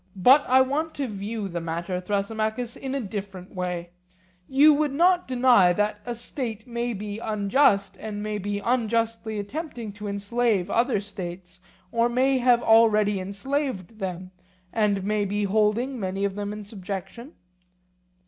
But I want to view the matter, Thrasymachus, in a different way: You would not deny that a state may be unjust and may be unjustly attempting to enslave other states, or may have already enslaved them, and may be holding many of them in subjection?